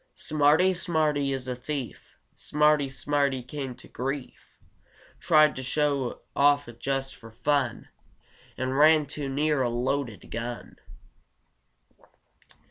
"Smarty, Smarty is a thief! Smarty, Smarty came to grief! Tried to show off just for fun And ran too near a loaded gun.